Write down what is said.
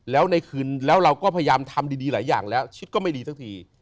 แล้วในคืนแล้วเราก็พยายามทำดีหลายอย่างแล้วชิดก็ไม่ดีสักที